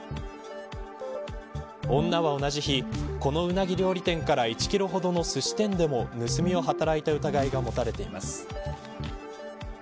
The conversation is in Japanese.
女は同じ日、このうなぎ料理店から１キロほどのすし店でも盗みを働いた疑いが持たれています。